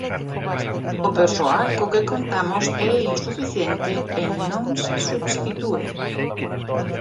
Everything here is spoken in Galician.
O persoal co que contamos é insuficiente e non se substitúe.